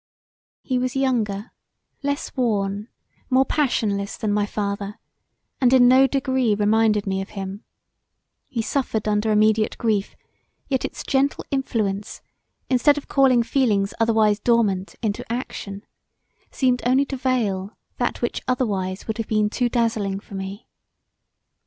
He was younger, less worn, more passionless than my father and in no degree reminded me of him: he suffered under immediate grief yet its gentle influence instead of calling feelings otherwise dormant into action, seemed only to veil that which otherwise would have been too dazzling for me.